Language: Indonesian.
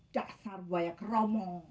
dasar buaya keromong